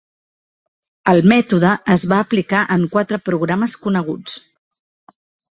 El mètode es va aplicar en quatre programes coneguts.